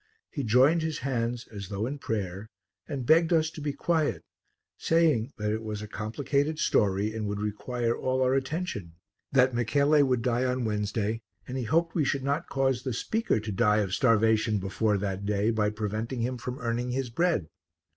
He joined his hands as though in prayer and begged us to be quiet, saying that it was a complicated story and would require all our attention, that Michele would die on Wednesday, and he hoped we should not cause the speaker to die of starvation before that day by preventing him from earning his bread.